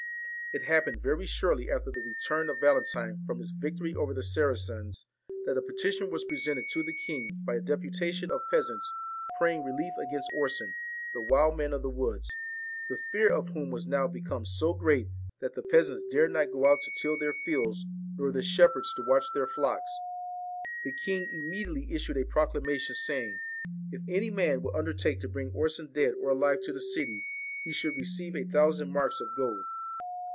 It happened very shortly after the return of Valentine from his victory over the Saracens, that a petition was presented to the king by a deputa tion of peasants, praying relief against Orson, the wild man of the woods ; the fear of whom was now become so great that the peasants dared not go out to till their fields, nor the shepherds to watch their flocks. The king immediately issued a proclamation, saying, if any man would undertake to bring Orson dead or alive to the city, he should receive a thousand marks of gold.